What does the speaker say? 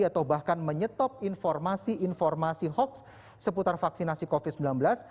atau bahkan menyetop informasi informasi hoax seputar vaksinasi covid sembilan belas